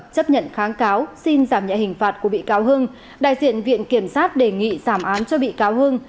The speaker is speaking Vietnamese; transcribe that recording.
chấp nhận kháng cáo xin giảm nhẹ hình phạt của bị cáo hưng đại diện viện kiểm sát đề nghị giảm án cho bị cáo hưng